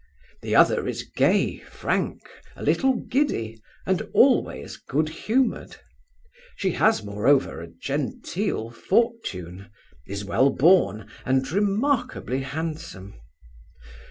The other is gay, frank, a little giddy, and always good humoured. She has, moreover, a genteel fortune, is well born, and remarkably handsome.